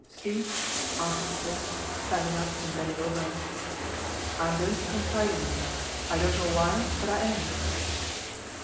'See!' answered the Prince, standing up and bending over her. 'I am going to confide in you. I don't know why, but I am.